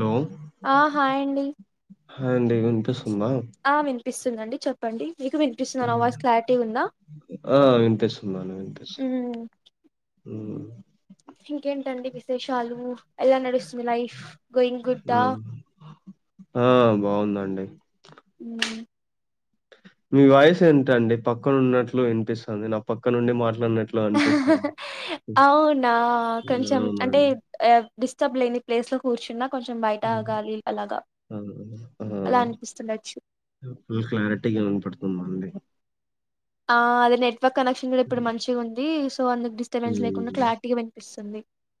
Hello ఆ హాయండి hi అండి వినిపిస్ తుంద పిస్తుందండి చెప్పండి మీకు వినిపిస్తుందా నా విన్ వాయిస్ క్లారిటీ ఉందా ఆ వినిపిస్తుందండీ వినిపిస్త్ మ్మ్ మ్మ్ ఇంకేంటండి విశేషాలు ఎలా నడుస్తుంది లైఫ్ గోయింగ్ గుడ్డా ఆ ఆ బాగుందండి డి హ్మ్ మీ వాయిస్ ఏంటండి పక్కనున్నట్లు వినిపిస్తాంది నా పక్క నుండి మాట అవునా కొంచెం అంటే అవునండి ఏ డిస్టర్బ్ లేని ప్లేస్ లో కూర్చున్న మ్మ్ అవును ఆ అలా అనిపిస్తుండొచ్చు ఫుల్ క్లారిటీ క్లారిటీగా వినపడుతుందండి ఆ అదె నెట్ వర్క్ కనెక్షన్ కూడా ఇప్పుడు మంచిగా ఉంది సో అందుకు డిస్టబెన్స్ లేకుండా క్లారిటీ గా వినిపిస్ [unintelligible]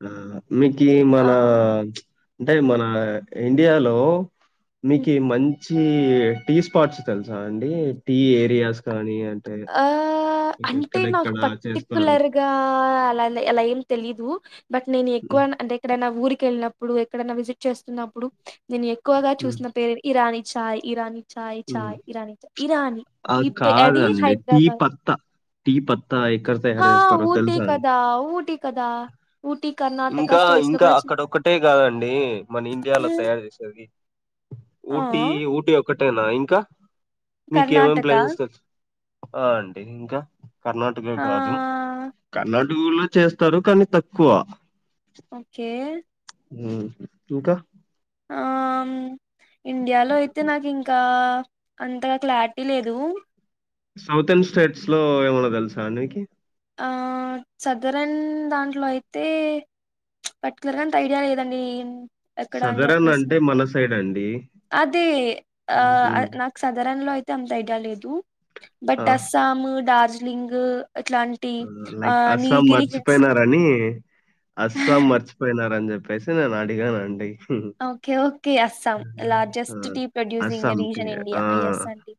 మ్మ్ మీకు మన అంటే మన ఇండియాలో మీకు మంచి చి టీ స్పాట్స్ తెలుసా అండి టీ ఏరియాస్ కానీ అంటే ఆ మీకు అంటే నాకు ఎక్కడెక్కడ చేస్తారు? పర్టికులర్గా అలా అలా ఏం తెలీదు బట్ నేను ఎక్కువ హ్మ్. అంటే ఎక్కడైనా ఊరికి వెళ్ళినప్పు డు ఎక్కడైనా విజిట్ చేస్తున్నప్పుడు నేను ఎక్ క్కువగా హ్మ్. చూసిన పేరు ఇరానీ చాయ్ ఇరానీ చాయ్ హ్మ్. చాయ్ ఇరానీ చా ఇరానీ ఇప్పు అది డి హైదరాబాద్. పత్తా టీ పత్తా ఎక్కడ తయారు ఆ! చేస్తారో ఊటీ తెలుసా అండి కదా! ఊటీ కదా! ఊటీ కర్ణాటక ఇంకా స్టేట్స్‌లో ఇంకా కూడా చి అక్కడ ఒక్కటే కాదండి మన ఇండియాలో హ్మ్. తయారు చేసేది ఆ! ఊటీ ఊటీ ఒక అంతేనా ఇంకా మీ కర్ణాటక. కేఎంఎంప్లైసెస్త కా ఆ అండి ఇంకా కర్ణటక కాదు ఆహ్, కర్ పడుగుల్లో చేస్తారు కానీ తక్కువ ఓకే. ఉమ్ ఇంకా ఆ ఇండియాలో అయితే నాకు ఇంకా అంతగా క్లారిటీ లేదు సౌతర్న్ స్టేట్స్ లో ఏమన్నా తెలుసా నికి చదురన్ దాంట్లో అయితే పర్టికులర్గా అంత ఐడియా లేదండి ఎక్కడ అని సదరన్ చెప్పేసి అంటే మన సైడ్ అండి. అది ఆ హ్మ్. నాకు సదరంలో అయితే అంతైడా లేదు బట్ ఆ! అస్సాం దార్జి లింగ్ అట్లాంటి లైక్ అస్సాం మర్చిపోయినారని అస్సాం మర్చిపోయిన అని చెప్పి జస్ట్ నేను అడిగా అండి ఓకే ఓ అస్సాం ఆ! Largest tea producing Assam tea. Reason India ఆ! ఎస్ అండి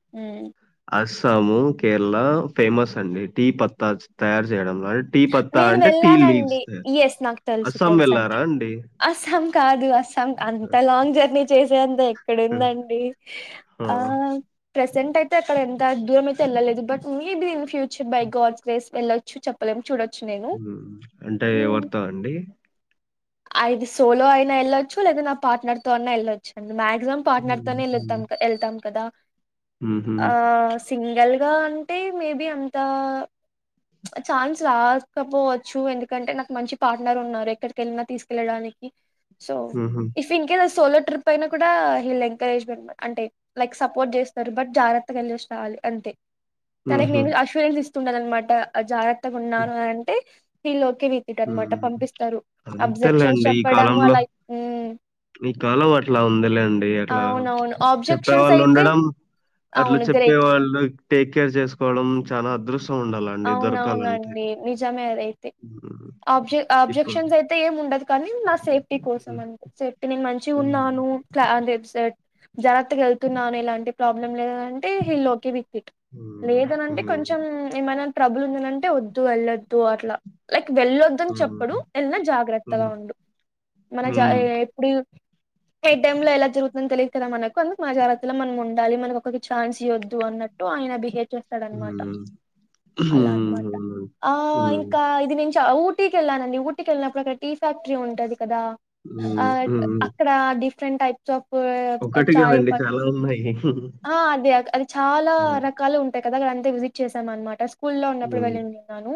సాము కేరళ ఫేమస్ అండి టీ పత్తా తయారు చేయడం టీ పత్తా నేను అంటే టీ లీఫ్ వెళ్ళానండి ఎస్ నాకు తెలుసు అస్సాం తెలుసండి వెళ్ళారా అండి అస్సాం కాదు అ అంత లాంగ్ జర్నీ చేసి వె అంద ఇక్కడ ఉందండి ఆ ప్రెజెంట్ అయితే అక్కడ ఎంత దూరమయితేళ్ళలేదు but maybe in the future by God's grace వెళ్ళొచ్చు చెప్ప చెప్పలేం నేను అంటే ఎవడతా అండి అఐది సోలో అయినా వెళ్ళచ్చు లేదా నా పార్ట్నర్ తో అనా వెళ్ళొచ్చు అండి మాక్సిమం పార్ట్నర్ హ్మ్. తోనే హ్మ్. వెళ్తాం వెళ్తాం కదా హుహు. ఆ సింగల్ అంటే మేబి అంత ఛాన్స్ రాకపోవచ్చు ఎందుకంటే నాకు మంచి పార్ట్నర్ ఉన్నారు ఎక్కడిక వెళ్ళిన తీసుకెళ్ళడానికి సో హుహు. If in case solo trip అయినా కూడా హీల్ ఎంకరేజ్మె అంటే లైక్ సపోర్ట్ చేస్తారు బట్ జాగ్రత్తగా వెళ్సి రావాలి అంతే తలక్ హుహు. నేను ఆశ్వర్యాలుస్ రునారమాట అ జ ఉన్నారు అ అంటే తిలో మ్ అబ్జెక్షన్స్ అంతేలేండి ఈ చెప్పడము కాలంలో, అలా ఉమ్, ఈ కాలం అట్లా ఉందిలేండి అట్లా అవునవును చెప్పే ఆబ్జెక్షన్స్ వాళ్ళు అయితే ఉండడం, అట్లా అవును చెప్పే గ్రేట్ వాళ్ళు టేక్ కేర్ చేసుకోవడం. చాలా అదృష్ అవునవునండి నిజమే అదైతే హ్మ్. ఆబ్జె ఇప్పుడు ఆబ్జెక్షన్స్ అయితే ఏం ఉండదు కానీ నా సేఫ్టీ కోసం హ్మ్. అండి సేఫ్టీ నేను హ్మ్. మంచిగున్నాను క్లా దెబ్ సట్జాగ్రత్తగా వెళ్తున్నాను ఎలాంటి ప్రాబ్లం లేద [inaudible] అంటే హిల్ ఓకే రిపీటై హ్మ్. లేదనంటే హ్మ్. కొంచెం ఏమనా ట్రబుల్ ఉందనంటే వద్దు వెళ్ళొద్దు అట్లా లై వెళ్ళొద్దని చెప్పడు హ్మ్. వెళ్ళినా జాగ్రత్తగా హ్మ్. హ్మ్. హ్మ్. ఉండు మన జ ఎప్పుడూ ఏ టైం లో ఎలా జరుగుతుందని తెలియదు కదా మనకు అందుకు మా జాగ్రత్తలో మనం ఉండాలి మనకు ఒకరికి ఛాన్స్ ఇవొద్దు అన్నట్టు ఆయన బిహేవ్ చేస్తాడు అనమాట అవునండి. అలా అనమాట ఆ హ్మ్. ఇంకా ఇది నే చా ఊటీ కి వెళానండి ఊటీ కెళ్ళిప్పుడు అక్కడ టీ ఫ్యాక్టరీ ఉంటది కదా ఆ హ్మ్. హ్మ్. అక్కడ డిఫ్ ఫ్రెంట్ టైప్స్ ఆఫ్ ఓం ఏం ఒకటి చాయ్ కాదండి ప చాలా ఉన్నాయి. అది అది చాలా హ్మ్. రకాలు ఉంటాయి కదా గా అంతే విసిట్ చేశాం అనమాట కూల్ లో ఉన్నప్పుడు హ్మ్. వెళ్ళిండినాను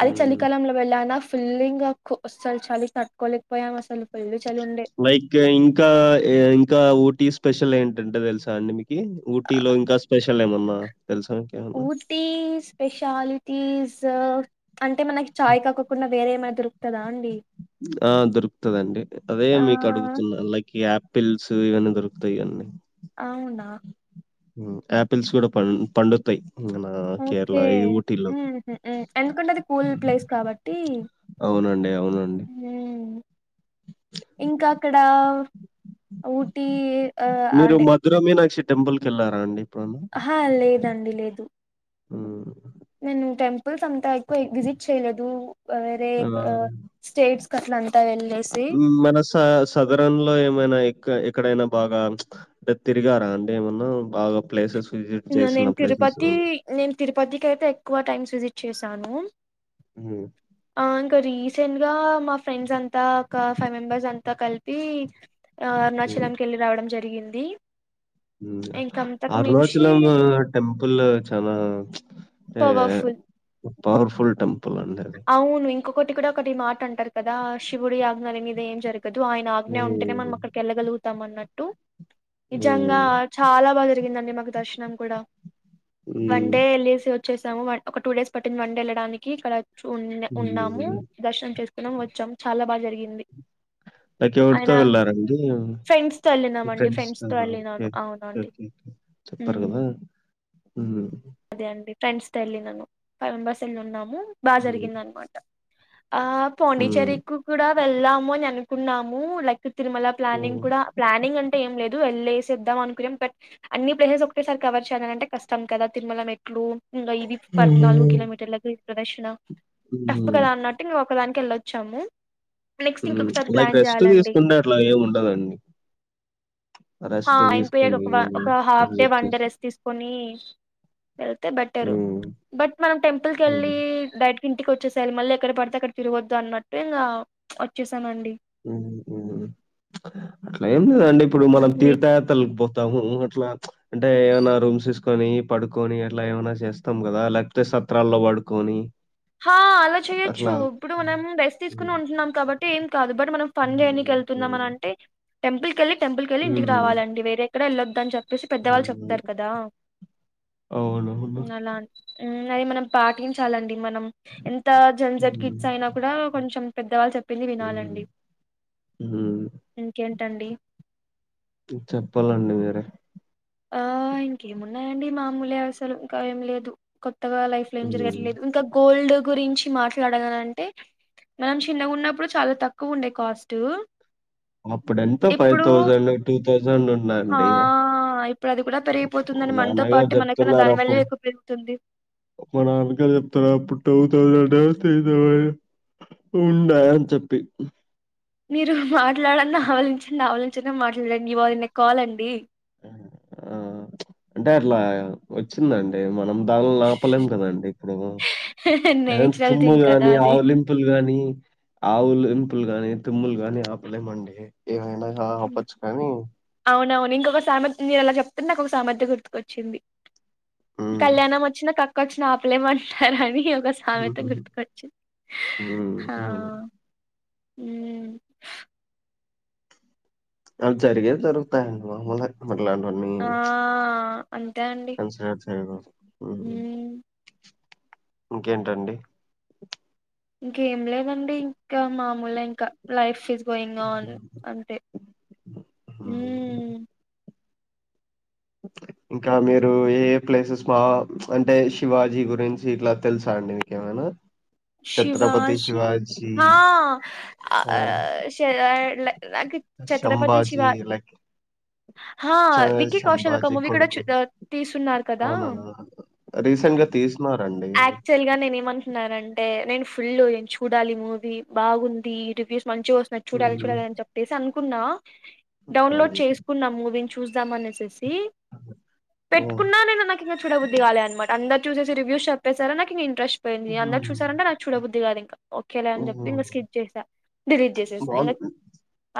అది హ్మ్. చలికాలంలో వెళ్ళానా ఫుల్ ఇంగా కో అస్సలు చలి తట్కోలేకపోయాం అసలు ఫుల్లు చలుండే. లైక్ ఇంకా ఇంకా ఓటీస్ స్పెషల్ ఏంటే తెలుసా అండి మీకు ఆహ్, ఊటీలో ఇంకా స్పెషల్ ఏమన్నా తెలుసాకేమన్నా ఊటీ స్పెషాలిటీస్ అంటే మనకి చాయ్ కాకుండా బేరే మాదిరుక్తదా అండి ఆ దొరుకుతుదండి అదే మీకు ఆహ్, అడుగుతున్నా లక్ యాప్ పిల్స్ ఇవన్నీ దొరుకుతాయివన్నీ అవునా ఆపిల్స్ కూడ పం పండుతాయి్ ఓకే ఎందుకంటే అది కూల్ ప్లేస్ కాబట్టి అవునండి అవునండి ఇంక అక్కడ ఊటీ ఆహ్, మీరు మధురమీనాక్షి టెంపుల్ కెళ్లారాండి హ లేదు లేదండి లేదు ఉమ్ నేను టెంపుల్స్ అంత ఎక్కువ విజిట్ చేయలేదు వేరే ఆ స్టేట్స్ కట్ల అంత వెల్లా మన స సదరంలో ఏమైన ఎక్కడైన బాగా తిరిగారా అంటే ఏమన్నా బాగా ప్లేసెస్ విజిట్ చేసిన నేను ప్లేసెస్ తిరుపతి ఏమన్నా? నేను తిరుపతికి అయితే ఎక్కువ టైమ్స్ విజిట్ చేస్తాను స్తాను హ్మ్. ఆంగరీ రీసెంట్ గా మా ఫ్రెండ్స్ అంతా ఒక ఫైవ్ మెంబర్స్ అంత కలిపి అరుణాచలంకి వెళ్ళి రావడం జరిగి జరిగింది ఇంక అంతకు మించి అరుణాచల్ [unintelligible] టెంపుల్ చాలా పవర్ఫుల్ పవర్ఫుల్ టమ్ అవును ఒక్కటి ఇక్కడ్ ఒకటి మాట అంటారు కదా శివుడి ఆజ్ఞ లేనిదె ఏం జరగ్ గదు ఆయన ఆజ్ఞ ఉంటేనే మనం హ్మ్. అక్కడికి వెళ్గ గల్గుతాం అన్నట్ టు నిజంగా హ్మ్. చాల బాగ జరిగిందండి మాక్ దర్శనం కూడ వన్ హ్మ్. డే లీవ్స్ చేసాము వన్ ఒక టూ డేస్ పట్టింది వన్ డే వెళ్ళడానికి ఇక్కడ ఉ ఉన్నాము హ్మ్. దర్శనం చేస్ వచ్చాం చాలా బాగా జరిగింది లైక్ ఎవటితో ఆయన వెళ్ళారండి ఫ్రెండ్స్‌తో ఎళ్ళినామండి. ఫ్రెండ్స్ తో ఫ్రెండ్స్‌తో ఎళ్ళినాను. అవునండి. చెప్పారు హ్మ్. కదా హుమ్ అదే అండి ఫ్రెండ్స్ తో ఎళ్ళినను ఫైవ్ మెంబెర్స్ ఎళ్ళిన్నాము బాగ హ్మ్. జరిగిందనమాట ఆ పాండిచ్చేరి హ్మ్. కు కూడా వెల్దాము అని అనుకున్నాము లైక్ తిరుమల ప్లానింగ్ హ్మ్. కూడా ప్లానింగ్ అంటే ఏం లేదు వెళ్ళే సొద్దాం అనుకున్నాం కానీ బట్ అన్ని ప్లేసెస్ ఒకేసారి కవర్ చేయాలంటే కష్టం కదా తిరుమల మెట్లు ఇంగ ఇది పద్నాలుగు హ్మ్. కిలోమీటర్ లకు ప్రదక్షిణ టఫ్ హ్మ్. కదా అన్నట్టు ఇంగ ఒకదానికి ఎళ్ళొచ్చాము లైక్ రెస్ట్ తీసుకుంటే అట్లా ఏమి ఉండదండి ఆ అయిపోయక ఒక ఒక half day visit one day చేసి రెస్ట్ తీసుకొని ఎళ్తే బెట్టరు హ్మ్. బట్ మనం టెంపుల్ కెళ్ళి హ్మ్. డై ఇంటికి వచ్చేసేయలి మళ్ళీ ఎక్కడ పడితే అక్కడ తిరగద్దు అన్నట్టు ఇంగా వచ్చేసమండి అట్లా ఏం లేదు లేదండీ ఇప్పుడు మనం తీర్థయాత్రలకు పో పోతము అట్లా అంటే ఏమనా రూమ్స్ తీసుకొని పడుకొని అట్లా ఏమైనా చేస్తాం కదా లేకపోతే సత్రాల్లో పడుకొని ఆ అలా చెయొచ్చు అట్లా ఇప్పుడు మనం రెస్ట్ హ్మ్. తీసుకుని ఉంటున్నాం కాబట్టి ఏం కాదు బట్ మనం ఫన్ చేయనికి హ్మ్. ఎళ్తున్నాం హ్మ్. అంటే టెంపుల్ కెళ్ళి టెంపుల్ కెళ్ళి ఇంటికి హ్మ్. రావాలండి వేరేక్కడ ఎల్లదు అన్ చెప్పేసి పెద్దవాళ్ళు చెప్తారు హ్మ్. కదా అవునవును. అలానే హుమ్ అయి మనం పాటించాలండి మనం ఎన్ ఎంత జెం జెట్ హ్మ్. కిడ్స్ అయినా కూడా కొంచెం పెద్దవాళ్ళు చెప్పింది హ్మ్. వినాలండి హ్మ్. ఇంకేంటండి చెప్పాలండి మీరే. ఆ ఇంకేమున్నాయండి మామూలు అసలు ఇంక ఏం లేదు కొత్తగా లైఫ్ లో ఏం హ్మ్. జరగట్లేదు ఇంకా గోల్డ్ గురించి మాట్లాడలా అంటే మనం చిన్నగా ఉన్నప్పుడు చాలా తక్కువ ఉండే కాస్ట్ అప్పుడ్ ఎంత ఫైవ్ థౌసండ్ టూ తౌసండ్ హా ఉన్నాండి ఇప్పుడు అది కూడా పెరిగిపోతుందని మనతో నాన్నగారు పాటు మనకన్నా చెప్తున్నారు దాని వాల్యూ అప్పుడు ఎక్కువ పెరుగుతుంది మా నాన్నగారు చెప్తున్నారు అప్పుడు [unintelligible] ఉండ అని చెప్పి మీరు మాట్లాడండి ఆవలించండి ఆవలించిన మాట్లాడండి ఈవాళ నాకు కాలండి ఆ అంటే అట్లా వచ్చిందండి మనం దాన్ని నాపలేం కదండి ఇప్పుడు నేచురల్ తుమ్ము థింగ్ కదా కాని అది ఆవులింపులు కానీ ఆవులు లింతలుగాని తుమ్ములు గాని ఆపలేమండి ఏమైనా ఆ ఆపచ్చు కానీ అవునవును ఇంకొక సామెత నేను అలా చెప్తుంటే నాకు ఒక సామెత గుర్తుకొచ్చింది హ్మ్. కళ్యాణం వచ్చిన కక్కు కచ్చి నా ఆపలేమంటారని ఒక సామెత హుహుహు. గుర్తుకొచ్చి హ్మ్. హా హ్మ్. హ్మ్ ప్చ్ అది జరిగే జరుగుతాయి ఇంక మాములే మళ్ళీ రాను రాన్ను ఆ ప్చ్, అంతే అండి కన్సిడర్ చేయన హ్మ్ ప్చ్ మ్మ్ ఇంకేంటండి ఇంకేం లేదండి ఇంకా మామూలే ఇంకా లైఫ్ ఫీజ్ గోయింగ్న్ ఆన్ అంటే హ్మ్. హ్మ్మ్ ప్చ్ ఇంకా మీరు ఏ ప్లేసెస్ మా ప్చ్ అంటే, శివాజీ గురించి ఇట్లా తెలుసా అండి మీకేమైనా ఛత్రపతి శివాజీ శివాజీ మా ఆ చేయడలే నాకి ఛత్రపతి శంభాజీ శివా లైక్ హా చ విక్కీ కౌశల్ ఒక శంభాజీ మూవీ కూడా కొడుకు చూ దాత్ తీసున్నారు కదా అవునవును రీసెంట్ గా తీసినారండి అది ఆక్చువల్ గా నేను ఏమంటున్నానంటే నేను ఫుల్ వి నేను చూడాలి మూవీ బాగుంది ఈ రివ్యూస్ మంచిగా వస్తున్నాయ్ చూడాలి మ్మ్. చూడాలి చెప్పేసి అనుక్ కున్నా డౌన్లోడ్ అవునండి. చేసుకున్నాము మూవిన్ చూస్దామనే సేసి మ్మ్. పెట్కున్న నేను నాకు ఇంకా చూడబుద్ధి కాలే అనమాట అందరి చూసేసి రివ్యూస్ చ పేసారా నాకింగ ఇంట్రెస్ట్ పోయింది అందరూ చూసారంటే నాకు చూడబుద్ది కాదు ఇంక ఓకేలే అని చెప్పి మ్మ్. ఇంక స్కిప్ చేసా డిలీట్ చేసేస్తాను ఇంకా బాగుంది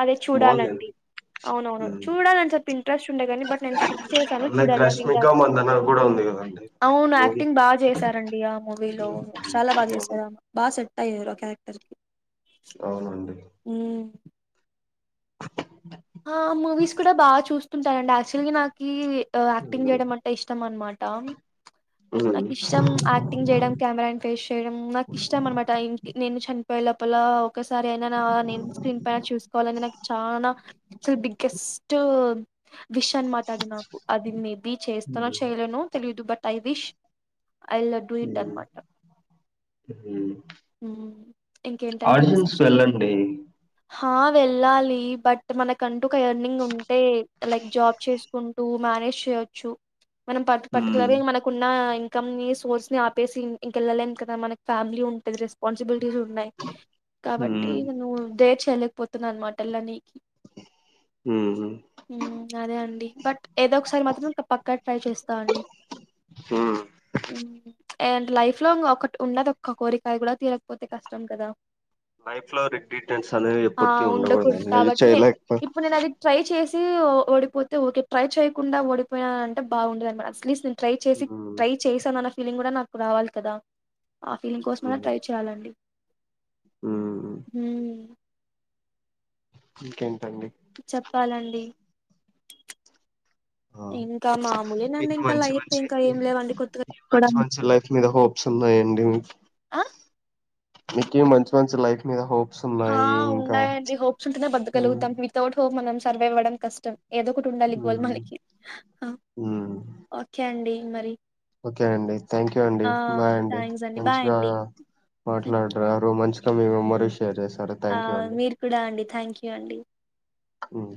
అదే చూడాలండి బాగుందండి అవునవును మ్మ్. చూడాలని సప్ ఇంట్రెస్ట్ ఉండే కాని బట్ నేను స్కిప్ చేశాను లైక్ చూడాలి నాకు ఇంకా రష్మిక మందన కూడా ఉంది కదండి అవును మూవీ యాక్టింగ్ బా చేస్ స్తారండి ఆ మూవీలో చాలా బా చేశాదామె బా సె టయ్యారు ఆ క్యారెక్టర్ కి అవునం ఉ ఆ మూవీస్ కూడా బాగా చూస్త ఉంటారండి యాక్టువల్ గ నాకీ ఆక్టింగ్ మ్మ్. చేయడం అంటే ఇష్టం అన్మాట తమ్ మ్మ్. నాకు ఇష్టం యాక్టింగ్ చేయడం కెమెరా అండ్ ఫేస్ చేయడం నాకు ఇష్టం అనమాట నేను చని పోయెలోపల ఒక్కసారి అయినా నా నేమ్ స్క్రీన్ పైన చూసుకోవాలని నాకు చాలా కెస్ట్ విష్ అనమాట అది నాకు అది మేబి చేస్తానో చేయలేనో తెలియదు but I wish I will do it అనమాట ఇంకేంటండి ఆడిషన్స్కి విశేషాలు వెళ్ళండి హా వెళ్ళాలి బట్ మన కం ఒక ఎర్నింగ్ ఉంటే లైక్ జాబ్ చేసుకుంటూ మేనేజ్ చేయొచ్చు మనం ప మ్మ్. పర్టికులర్ గా మనకున్న ఇంకమ్ సోర్స్ ని ఆపేసి ఇంకెళ్ళలేం కదా మన ఫమిలీ ఉంటంది రెపాన్సిబిల్ ఉన్నాయి కాబట్టి మ్మ్. నువ్వు దే చె పోతున్నా అన్నమాట ఎలా నీ మ్మ్. అదే అండి బట్ ఏదో ఒకసారి మాత్రం ఇ పక్కా ట్రై చేస్తా అండి మ్మ్. ఏంట్ లైఫ్ లో ఉంగ ఒకటి ఉన్నది ఒక్క కోరిక అయ్ కూడా తీరకపోతే కష్టం కదా లైఫ్ లో రిగ్రెటెన్స్ అనేవి ఆ ఎప్పుటికీ ఉండకూడదు ఉండకూడదండి ఇది కాబట్టి నే చేయలే ఇప్పుడు నే అది ట్రై చేసి ఓడిపోతే ఓకే ట్రై చేయకుండా డిపోయియా అంటే బాగుండది అనమా అసలీ ట్రై చేసి ఉమ్, ట్రై చేసిని ఫీలింగ్ కూడా నాకు రావాలి కదా ఆ ఫీలింగ్ కోసమ ఉమ్, ట్రై చేయాలండి ఉమ్. హ ఇంకేంటండి చప్పాలండి ఆ మీకు ఇంకా మంచి లైఫ్ మంచి ఇంకా ఏం లేవండి కొత్తగా [inaudible] కూడా మంచి మంచి లైఫ్ మీద హోప్స్ ఉన్నాయండి మీ ఆ మీకి మంచి మంచి లైఫ్ మీద హో హా ఉన్నాయండి హోప్స్ ఉంటేనే ఉమ్, బతకగలుగుతాం వితౌట్ హోప్ మనం సర్వేవ్వడం కష్టం ఏదో ఒకటి ఉండాలి ఇవాల్ ఉమ్, మనకి ఉమ్. ఓకే అండి మరి ఓకే అండి థ్యాంక్ యూ అండి ఆ బాయ్ అండి థ్యాంక్స్ బాయ్ మంచిగా అండి మాట్లాడరు మంచి మీ మెమోరీస్ ఆ మీరు కూడా అండి థ్యాంక్ యూ అండి ఉమ్.